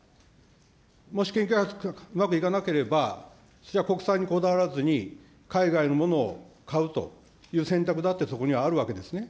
もし研究開発うまくいかなければ、国産にこだわらずに、海外のものを買うという選択だって、そこにはあるわけですね。